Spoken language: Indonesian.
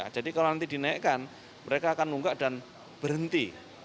jadi kalau nanti dinaikkan mereka akan nunggak dan berhenti